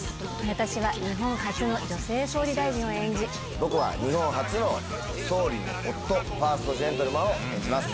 私は日本初の女性総理大臣を僕は日本初の総理の夫、ファーストジェントルマンを演じます。